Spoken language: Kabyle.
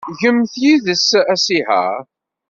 Gemt yid-s asihaṛ.